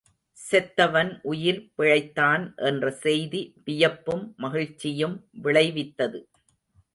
செத்தவன் உயிர் பிழைத்தான் என்ற செய்தி வியப்பும் மகிழ்ச்சியும் விளைவித்தது.